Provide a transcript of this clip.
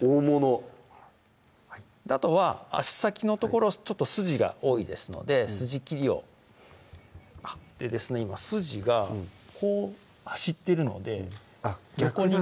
大物あとは足先の所ちょっと筋が多いですので筋切りをあっ今筋がこう走ってるのであっ逆なんだ